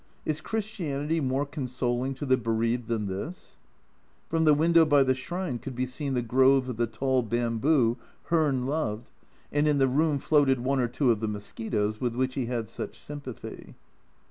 Is Christianity more consoling to the bereaved than this ? From the window by the shrine could be seen the grove of the tall bamboo Hearn loved, and in the room floated one or two of the mosquitoes with which he had such sympathy.